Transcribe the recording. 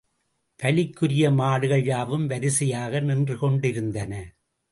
பலிக்குரிய மாடுகள் யாவும் வரிசையாக நின்றுகொண்டிருந்தன.